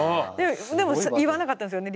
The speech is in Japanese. でも言わなかったんですよね